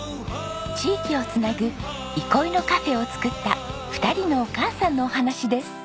地域を繋ぐ憩いのカフェを作った２人のお母さんのお話です。